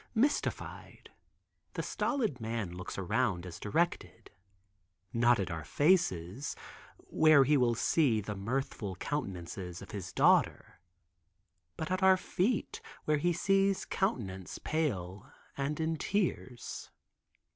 Mystified, the stolid man looks around as directed, not at our faces, where he will see the mirthful countenance of his daughter, but at our feet where he sees a countenance pale and in tears.